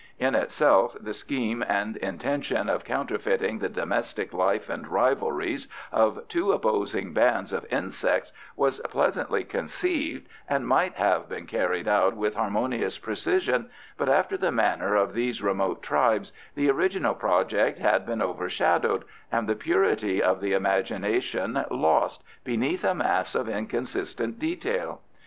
In itself the scheme and intention of counterfeiting the domestic life and rivalries of two opposing bands of insects was pleasantly conceived, and might have been carried out with harmonious precision, but, after the manner of these remote tribes, the original project had been overshadowed and the purity of the imagination lost beneath a mass of inconsistent detail.